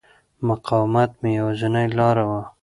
مقاومت مې یوازینۍ لاره وه.